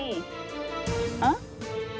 เอ๊ะ